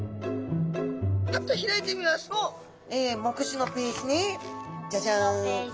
パッと開いてみますと目次のページにジャジャン。